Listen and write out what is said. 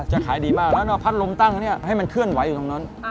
จะขายดีมากแล้วเราพัดลมตั้งให้มันเคลื่อนไหวอยู่ตรงนั้น